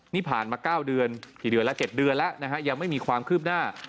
นี่ผ่านมา๙เดือน๗เดือนแล้วยังไม่มีความคืบหน้า